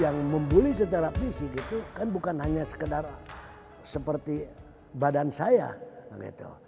yang membuli secara fisik itu kan bukan hanya sekedar seperti badan saya gitu